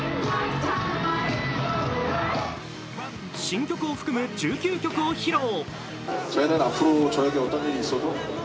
新曲を含む１９曲を披露。